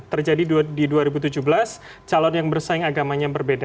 terjadi di dua ribu tujuh belas calon yang bersaing agamanya berbeda